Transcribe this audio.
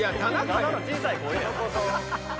ただの小さい声。